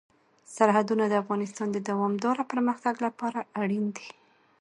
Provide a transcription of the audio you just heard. سرحدونه د افغانستان د دوامداره پرمختګ لپاره اړین دي.